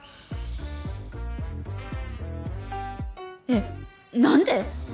えっ何で？